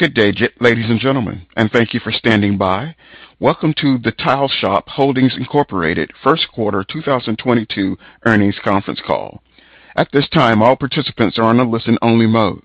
Good day, ladies and gentlemen, and thank you for standing by. Welcome to The Tile Shop Holdings incorporated first quarter 2022 earnings conference call. At this time, all participants are on a listen-only mode.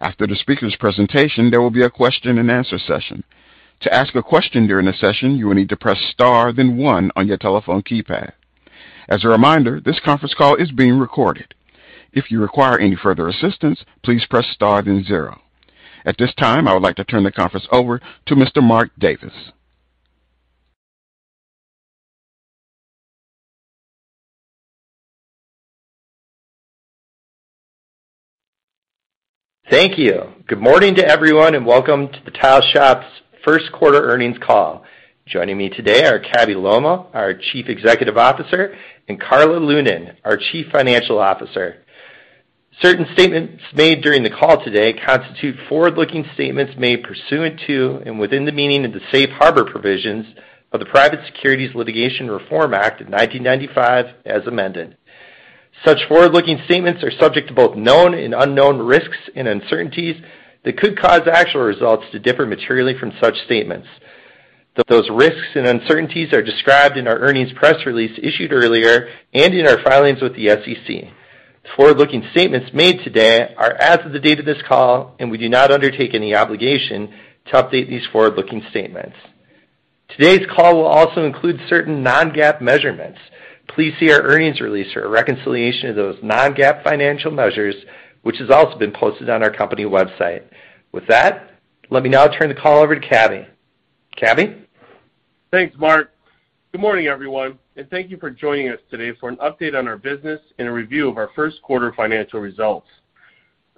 After the speaker's presentation, there will be a question-and-answer session. To ask a question during the session, you will need to press Star, then one on your telephone keypad. As a reminder, this conference call is being recorded. If you require any further assistance, please press Star, then zero. At this time, I would like to turn the conference over to Mr. Mark Davis. Thank you. Good morning to everyone, and welcome to The Tile Shop's first quarter earnings call. Joining me today are Cabby Lolmaugh, our Chief Executive Officer, and Karla Lunan, our Chief Financial Officer. Certain statements made during the call today constitute forward-looking statements made pursuant to and within the meaning of the Safe Harbor provisions of the Private Securities Litigation Reform Act of 1995 as amended. Such forward-looking statements are subject to both known and unknown risks and uncertainties that could cause actual results to differ materially from such statements, that those risks and uncertainties are described in our earnings press release issued earlier and in our filings with the SEC. The forward-looking statements made today are as of the date of this call, and we do not undertake any obligation to update these forward-looking statements. Today's call will also include certain non-GAAP measurements. Please see our earnings release for a reconciliation of those non-GAAP financial measures, which has also been posted on our company website. With that, let me now turn the call over to Cabby. Cabby? Thanks, Mark. Good morning, everyone, and thank you for joining us today for an update on our business and a review of our first quarter financial results.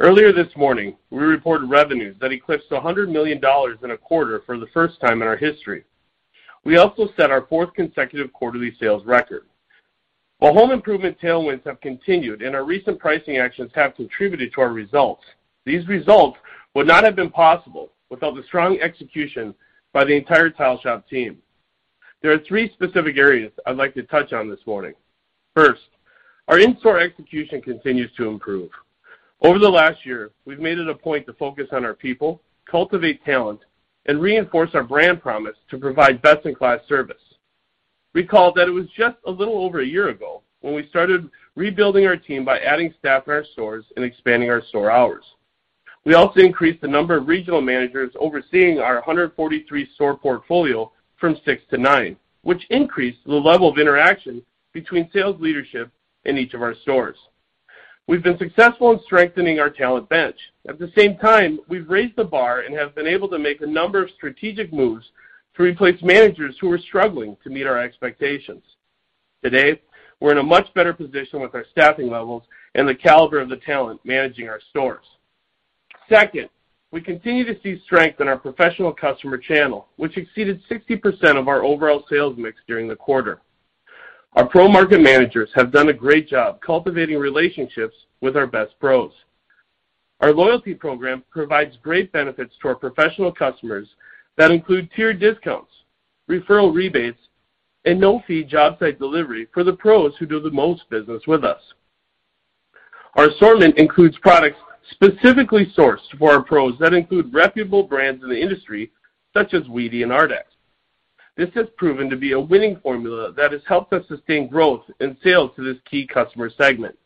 Earlier this morning, we reported revenues that eclipsed $100 million in a quarter for the first time in our history. We also set our fourth consecutive quarterly sales record. While home improvement tailwinds have continued and our recent pricing actions have contributed to our results, these results would not have been possible without the strong execution by the entire Tile Shop team. There are three specific areas I'd like to touch on this morning. First, our in-store execution continues to improve. Over the last year, we've made it a point to focus on our people, cultivate talent, and reinforce our brand promise to provide best-in-class service. Recall that it was just a little over a year ago when we started rebuilding our team by adding staff in our stores and expanding our store hours. We also increased the number of regional managers overseeing our 143 store portfolio from six to nine, which increased the level of interaction between sales leadership in each of our stores. We've been successful in strengthening our talent bench. At the same time, we've raised the bar and have been able to make a number of strategic moves to replace managers who are struggling to meet our expectations. Today, we're in a much better position with our staffing levels and the caliber of the talent managing our stores. Second, we continue to see strength in our professional customer channel, which exceeded 60% of our overall sales mix during the quarter. Our pro-market managers have done a great job cultivating relationships with our best pros. Our loyalty program provides great benefits to our professional customers that include tiered discounts, referral rebates, and no-fee job site delivery for the pros who do the most business with us. Our assortment includes products specifically sourced for our pros that include reputable brands in the industry such as wedi and ARDEX. This has proven to be a winning formula that has helped us sustain growth and sales to this key customer segment.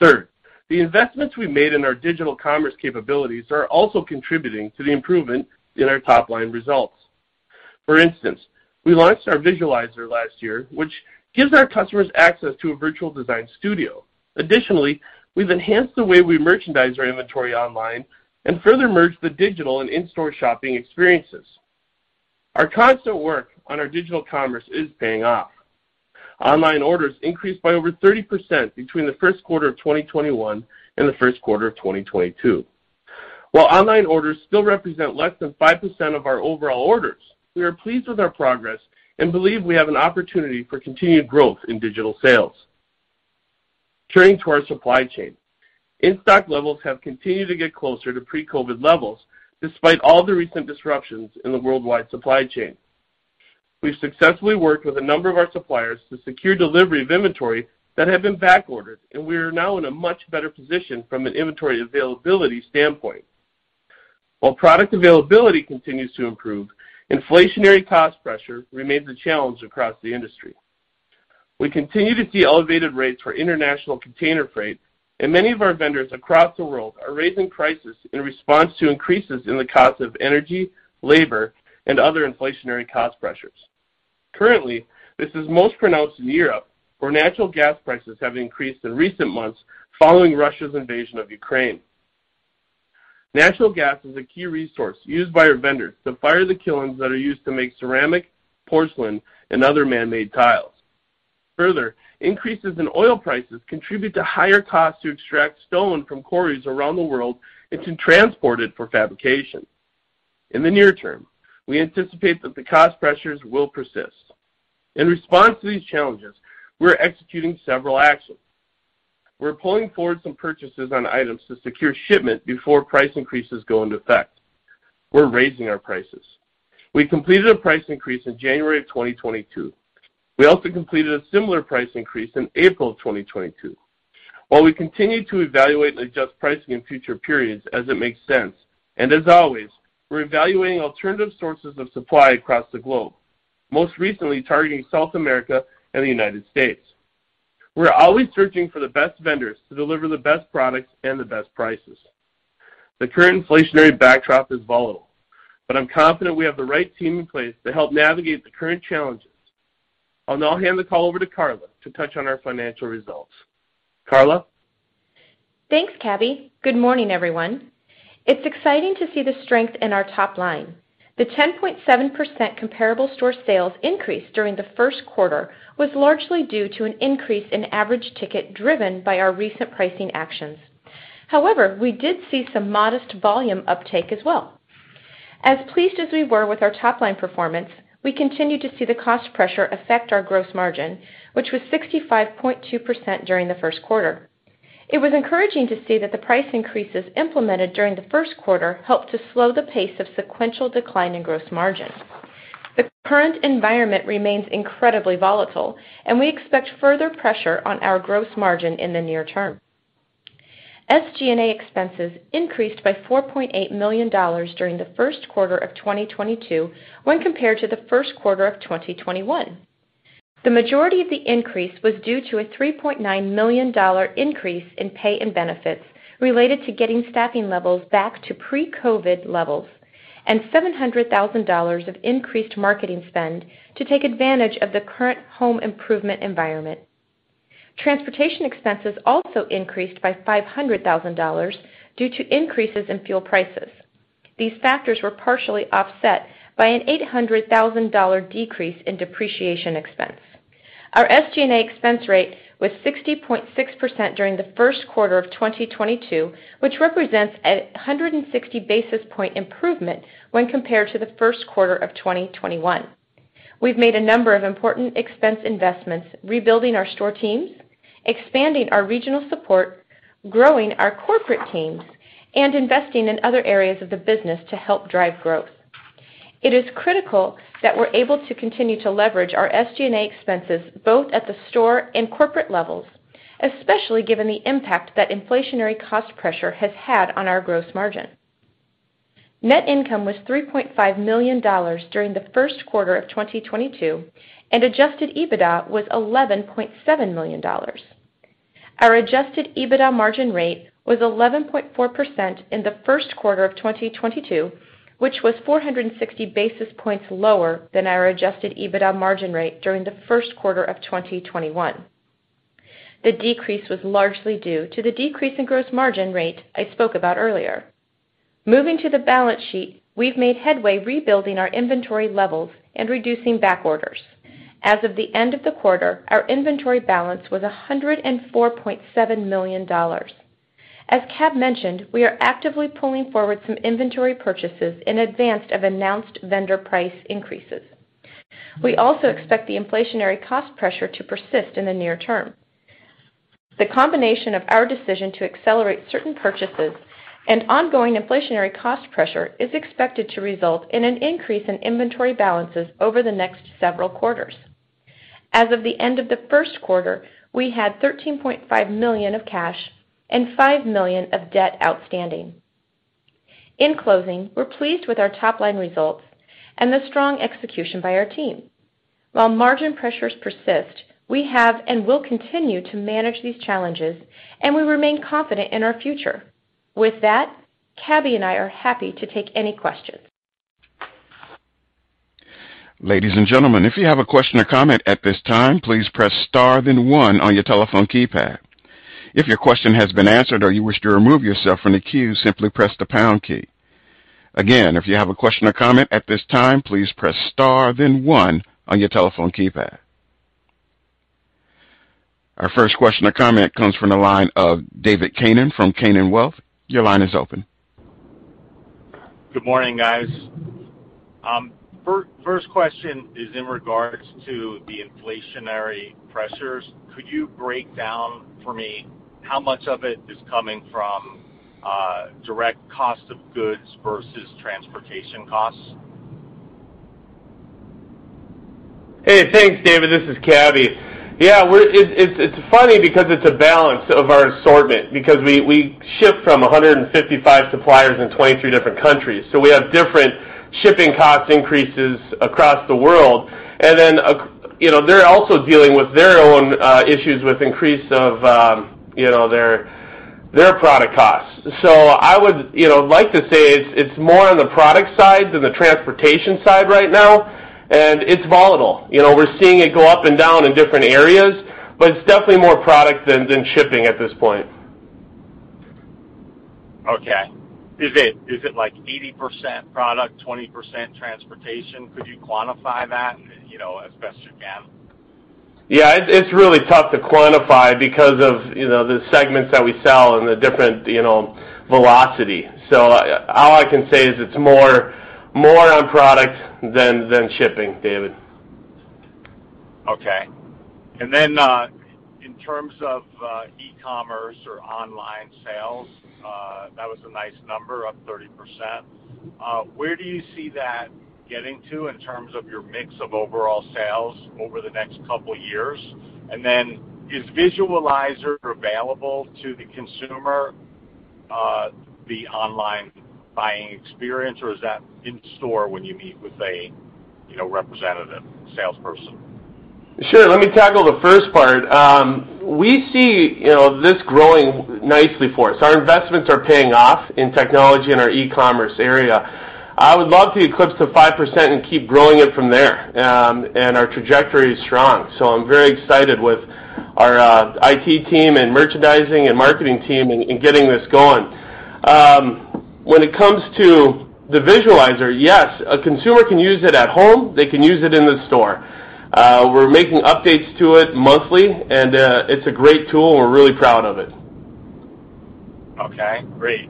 Third, the investments we made in our digital commerce capabilities are also contributing to the improvement in our top-line results. For instance, we launched our Visualizer last year, which gives our customers access to a virtual design studio. Additionally, we've enhanced the way we merchandise our inventory online and further merged the digital and in-store shopping experiences. Our constant work on our digital commerce is paying off. Online orders increased by over 30% between the first quarter of 2021 and the first quarter of 2022. While online orders still represent less than 5% of our overall orders, we are pleased with our progress and believe we have an opportunity for continued growth in digital sales. Turning to our supply chain. In-stock levels have continued to get closer to pre-COVID levels, despite all the recent disruptions in the worldwide supply chain. We've successfully worked with a number of our suppliers to secure delivery of inventory that have been backordered, and we are now in a much better position from an inventory availability standpoint. While product availability continues to improve, inflationary cost pressure remains a challenge across the industry. We continue to see elevated rates for international container freight, and many of our vendors across the world are raising prices in response to increases in the cost of energy, labor, and other inflationary cost pressures. Currently, this is most pronounced in Europe, where natural gas prices have increased in recent months following Russia's invasion of Ukraine. Natural gas is a key resource used by our vendors to fire the kilns that are used to make ceramic, porcelain, and other man-made tiles. Further, increases in oil prices contribute to higher costs to extract stone from quarries around the world and to transport it for fabrication. In the near term, we anticipate that the cost pressures will persist. In response to these challenges, we're executing several actions. We're pulling forward some purchases on items to secure shipment before price increases go into effect. We're raising our prices. We completed a price increase in January of 2022. We also completed a similar price increase in April 2022. While we continue to evaluate and adjust pricing in future periods as it makes sense, and as always, we're evaluating alternative sources of supply across the globe, most recently targeting South America and the United States. We're always searching for the best vendors to deliver the best products and the best prices. The current inflationary backdrop is volatile, but I'm confident we have the right team in place to help navigate the current challenges. I'll now hand the call over to Karla to touch on our financial results. Karla? Thanks, Cabby. Good morning, everyone. It's exciting to see the strength in our top line. The 10.7% comparable store sales increase during the first quarter was largely due to an increase in average ticket driven by our recent pricing actions. However, we did see some modest volume uptake as well. As pleased as we were with our top-line performance, we continued to see the cost pressure affect our gross margin, which was 65.2% during the first quarter. It was encouraging to see that the price increases implemented during the first quarter helped to slow the pace of sequential decline in gross margin. The current environment remains incredibly volatile, and we expect further pressure on our gross margin in the near term. SG&A expenses increased by $4.8 million during the first quarter of 2022 when compared to the first quarter of 2021. The majority of the increase was due to a $3.9 million increase in pay and benefits related to getting staffing levels back to pre-COVID levels, and $700,000 of increased marketing spend to take advantage of the current home improvement environment. Transportation expenses also increased by $500,000 due to increases in fuel prices. These factors were partially offset by an $800,000 decrease in depreciation expense. Our SG&A expense rate was 60.6% during the first quarter of 2022, which represents a 160 basis point improvement when compared to the first quarter of 2021. We've made a number of important expense investments rebuilding our store teams, expanding our regional support, growing our corporate teams, and investing in other areas of the business to help drive growth. It is critical that we're able to continue to leverage our SG&A expenses, both at the store and corporate levels, especially given the impact that inflationary cost pressure has had on our gross margin. Net income was $3.5 million during the first quarter of 2022, and adjusted EBITDA was $11.7 million. Our adjusted EBITDA margin rate was 11.4% in the first quarter of 2022, which was 460 basis points lower than our adjusted EBITDA margin rate during the first quarter of 2021. The decrease was largely due to the decrease in gross margin rate I spoke about earlier. Moving to the balance sheet, we've made headway rebuilding our inventory levels and reducing back orders. As of the end of the quarter, our inventory balance was $104.7 million. As Cabby mentioned, we are actively pulling forward some inventory purchases in advance of announced vendor price increases. We also expect the inflationary cost pressure to persist in the near term. The combination of our decision to accelerate certain purchases and ongoing inflationary cost pressure is expected to result in an increase in inventory balances over the next several quarters. As of the end of the first quarter, we had $13.5 million of cash and $5 million of debt outstanding. In closing, we're pleased with our top-line results and the strong execution by our team. While margin pressures persist, we have and will continue to manage these challenges, and we remain confident in our future. With that, Cabby and I are happy to take any questions. Ladies and gentlemen, if you have a question or comment at this time, please press star then one on your telephone keypad. If your question has been answered or you wish to remove yourself from the queue, simply press the pound key. Again, if you have a question or comment at this time, please press star then one on your telephone keypad. Our first question or comment comes from the line of David Kanen from Kanen Wealth Management. Your line is open. Good morning, guys. First question is in regards to the inflationary pressures. Could you break down for me how much of it is coming from, direct cost of goods versus transportation costs? Hey, thanks, David. This is Cabby. Yeah, it's funny because it's a balance of our assortment because we ship from 155 suppliers in 23 different countries, so we have different shipping cost increases across the world. You know, they're also dealing with their own issues with increase of you know their product costs. I would you know like to say it's more on the product side than the transportation side right now, and it's volatile. You know, we're seeing it go up and down in different areas, but it's definitely more product than shipping at this point. Okay. Is it like 80% product, 20% transportation? Could you quantify that, you know, as best you can? Yeah, it's really tough to quantify because of, you know, the segments that we sell and the different, you know, velocity. All I can say is it's more on product than shipping, David. Okay. In terms of e-commerce or online sales, that was a nice number, up 30%. Where do you see that getting to in terms of your mix of overall sales over the next couple years? Is Visualizer available to the consumer, the online buying experience, or is that in store when you meet with a, you know, representative salesperson? Sure. Let me tackle the first part. We see, you know, this growing nicely for us. Our investments are paying off in technology and our e-commerce area. I would love to eclipse the 5% and keep growing it from there. Our trajectory is strong, so I'm very excited with our IT team and merchandising and marketing team in getting this going. When it comes to the Visualizer, yes, a consumer can use it at home. They can use it in the store. We're making updates to it monthly, and it's a great tool. We're really proud of it. Okay, great.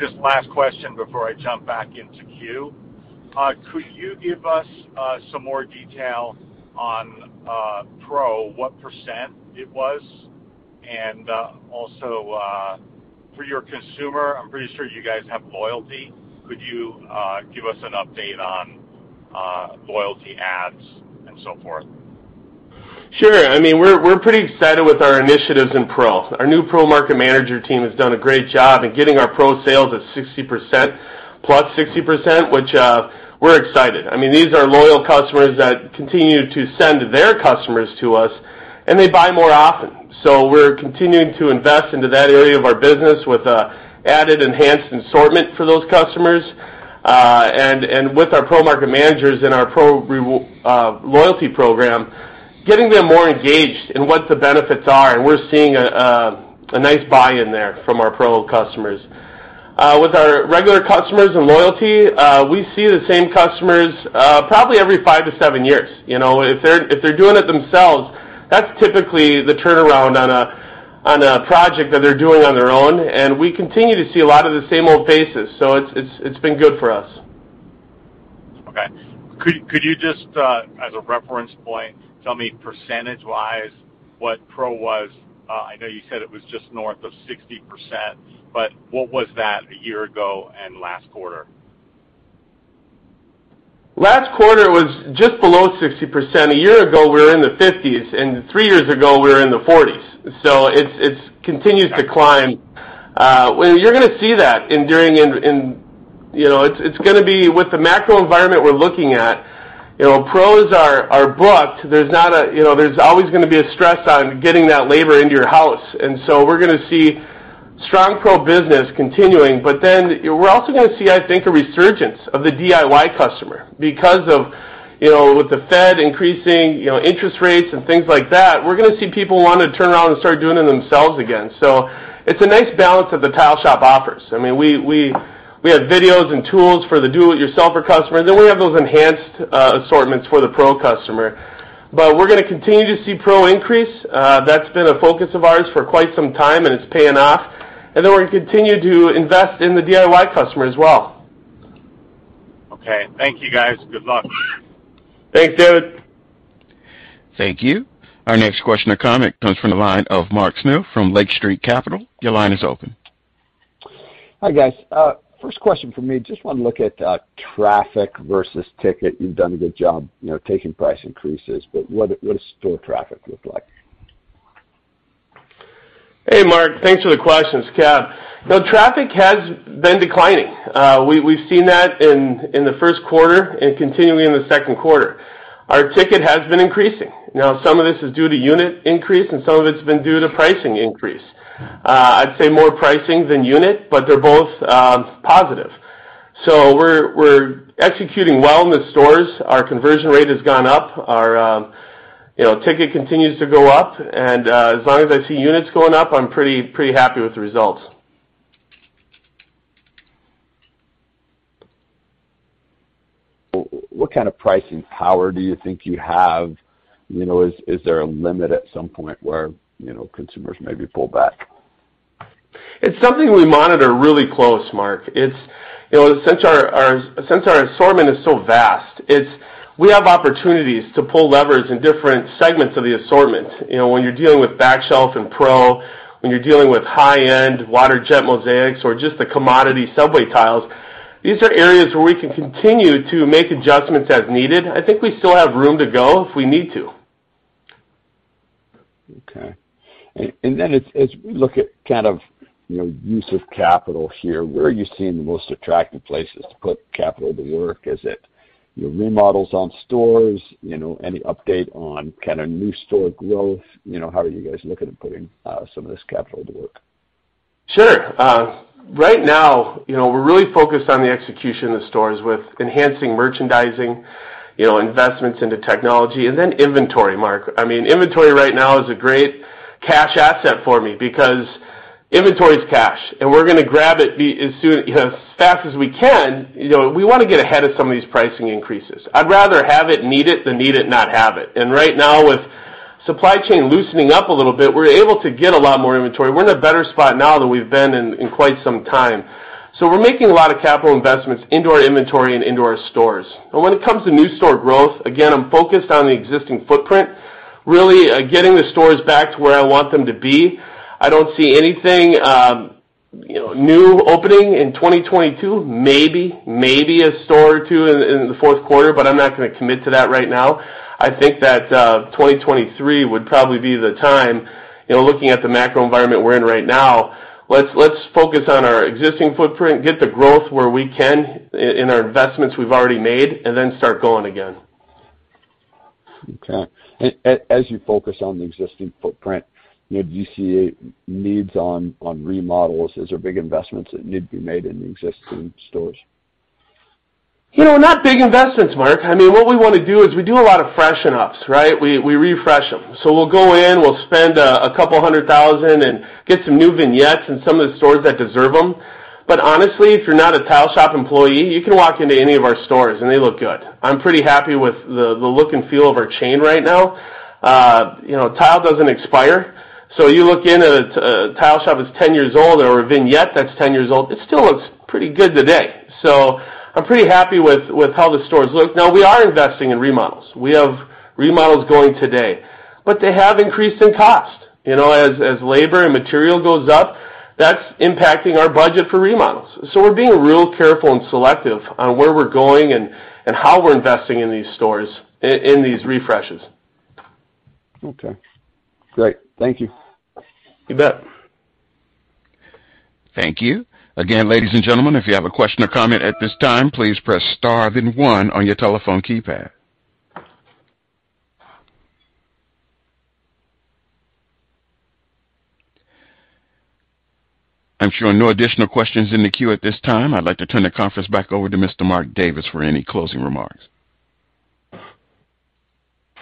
Just last question before I jump back into queue. Could you give us some more detail on Pro, what percent it was? Also, for your consumer, I'm pretty sure you guys have loyalty. Could you give us an update on loyalty ads and so forth? Sure. I mean, we're pretty excited with our initiatives in Pro. Our new Pro market manager team has done a great job in getting our Pro sales at 60%, +60%, which we're excited. I mean, these are loyal customers that continue to send their customers to us, and they buy more often. We're continuing to invest into that area of our business with an added enhanced assortment for those customers. And with our Pro market managers and our Pro loyalty program, getting them more engaged in what the benefits are, and we're seeing a nice buy-in there from our Pro customers. With our regular customers and loyalty, we see the same customers probably every five-seven years. You know, if they're doing it themselves, that's typically the turnaround on a project that they're doing on their own, and we continue to see a lot of the same old faces. It's been good for us. Okay. Could you just, as a reference point, tell me percentage-wise what Pro was? I know you said it was just north of 60%, but what was that a year ago and last quarter? Last quarter was just below 60%. A year ago, we were in the fifties, and three years ago, we were in the forties. It continues to climb. You're gonna see that during, you know. It's gonna be with the macro environment we're looking at, you know. Pros are booked. There's always gonna be a stress on getting that labor into your house. We're gonna see strong Pro business continuing, but then we're also gonna see, I think, a resurgence of the DIY customer because of, you know, with the Fed increasing, you know, interest rates and things like that. We're gonna see people wanna turn around and start doing it themselves again. It's a nice balance that The Tile Shop offers. I mean, we have videos and tools for the do-it-yourselfer customer, and then we have those enhanced assortments for the Pro customer. We're gonna continue to see Pro increase. That's been a focus of ours for quite some time, and it's paying off. Then we're gonna continue to invest in the DIY customer as well. Okay. Thank you, guys. Good luck. Thanks, David. Thank you. Our next question or comment comes from the line of Mark Smith from Lake Street Capital Markets. Your line is open. Hi, guys. First question from me. Just wanna look at traffic versus ticket. You've done a good job, you know, taking price increases, but what does store traffic look like? Hey, Mark. Thanks for the questions. Yeah, you know, traffic has been declining. We've seen that in the first quarter and continuing in the second quarter. Our ticket has been increasing. Now some of this is due to unit increase, and some of it's been due to pricing increase. I'd say more pricing than unit, but they're both positive. We're executing well in the stores. Our conversion rate has gone up. Our you know, ticket continues to go up, and as long as I see units going up, I'm pretty happy with the results. What kind of pricing power do you think you have? You know, is there a limit at some point where, you know, consumers maybe pull back? It's something we monitor really close, Mark. It's, you know, since our assortment is so vast, it's we have opportunities to pull levers in different segments of the assortment. You know, when you're dealing with back shelf and Pro, when you're dealing with high-end water jet mosaics or just the commodity subway tiles, these are areas where we can continue to make adjustments as needed. I think we still have room to go if we need to. Okay. Then as we look at kind of, you know, use of capital here, where are you seeing the most attractive places to put capital to work? Is it your remodels on stores? You know, any update on kind of new store growth? You know, how are you guys looking at putting some of this capital to work? Sure. Right now, you know, we're really focused on the execution of the stores with enhancing merchandising, you know, investments into technology, and then inventory, Mark. I mean, inventory right now is a great cash asset for me because inventory is cash, and we're gonna grab it as soon, as fast as we can. You know, we wanna get ahead of some of these pricing increases. I'd rather have it and need it than need it and not have it. Right now, with supply chain loosening up a little bit, we're able to get a lot more inventory. We're in a better spot now than we've been in quite some time. We're making a lot of capital investments into our inventory and into our stores. When it comes to new store growth, again, I'm focused on the existing footprint, really, getting the stores back to where I want them to be. I don't see anything, you know, new opening in 2022. Maybe a store or two in the fourth quarter, but I'm not gonna commit to that right now. I think that, 2023 would probably be the time, you know, looking at the macro environment we're in right now. Let's focus on our existing footprint, get the growth where we can in our investments we've already made, and then start going again. Okay. As you focus on the existing footprint, do you see needs on remodels? Is there big investments that need to be made in the existing stores? You know, not big investments, Mark. I mean, what we wanna do is we do a lot of freshen ups, right? We refresh them. We'll go in, we'll spend $200,000 and get some new vignettes in some of the stores that deserve them. Honestly, if you're not a Tile Shop employee, you can walk into any of our stores, and they look good. I'm pretty happy with the look and feel of our chain right now. You know, tile doesn't expire, so you look in at a Tile Shop that's 10 years old or a vignette that's 10 years old, it still looks pretty good today. I'm pretty happy with how the stores look. Now, we are investing in remodels. We have remodels going today, but they have increased in cost. You know, as labor and material goes up, that's impacting our budget for remodels. We're being real careful and selective on where we're going and how we're investing in these stores in these refreshes. Okay, great. Thank you. You bet. Thank you. Again, ladies and gentlemen, if you have a question or comment at this time, please press star then one on your telephone keypad. I'm showing no additional questions in the queue at this time. I'd like to turn the conference back over to Mr. Mark Davis for any closing remarks.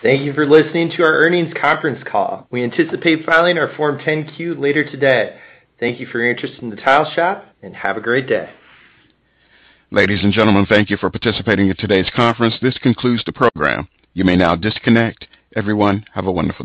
Thank you for listening to our earnings conference call. We anticipate filing our Form 10-Q later today. Thank you for your interest in The Tile Shop, and have a great day. Ladies and gentlemen, thank you for participating in today's conference. This concludes the program. You may now disconnect. Everyone, have a wonderful day.